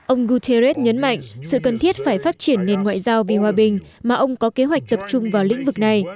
ông guterres nhấn mạnh sự cần thiết phải phát triển nền ngoại giao vì hòa bình mà ông có kế hoạch tập trung vào lĩnh vực này